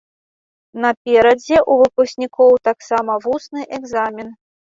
Наперадзе ў выпускнікоў таксама вусны экзамен.